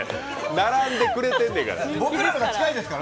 並んでくれてんねんから。